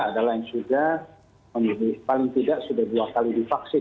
adalah yang sudah paling tidak sudah dua kali divaksin